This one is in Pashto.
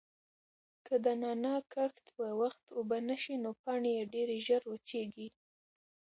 که د نعناع کښت په وخت اوبه نشي نو پاڼې یې ډېرې ژر وچیږي.